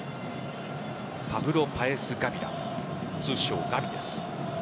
パブロ・パエス・ガヴィラ通称・ガヴィです。